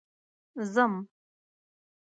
ځم